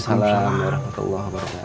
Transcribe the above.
waalaikumsalam warahmatullah wabarakatuh